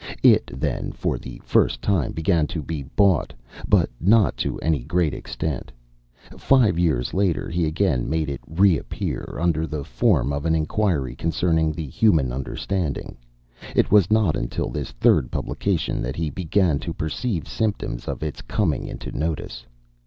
It then, for the first time, began to be bought; but not to any great extent. Five years later, he again made it re appear, under the form of an "Inquiry Concerning the Human Understanding." It was not until this third publication that he "began to perceive symptoms of its coming into notice."